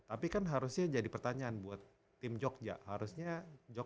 tapi kan harusnya jadi pertanyaan buat tim jogja harusnya jogja